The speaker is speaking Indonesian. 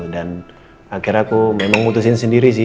dan akhir aku memang ngutusin sendiri sih